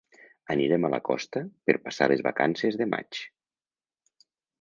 Anirem a la costa per passar les vacances de maig